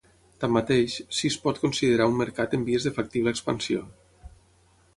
Tanmateix, si es pot considerar un mercat en vies de factible expansió.